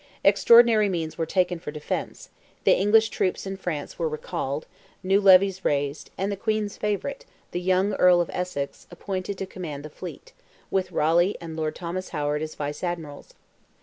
Extraordinary means were taken for defence; the English troops in France were recalled, new levies raised, and the Queen's favourite, the young Earl of Essex, appointed to command the fleet, with Raleigh and Lord Thomas Howard as Vice Admirals.